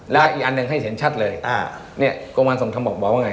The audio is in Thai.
แล้วอีกอันหนึ่งให้เห็นชัดเลยเนี่ยกรมการส่งธรรมบอกบอกว่าไง